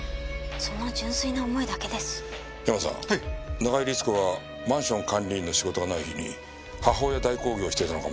中井律子はマンション管理員の仕事がない日に母親代行業をしていたのかもしれないな。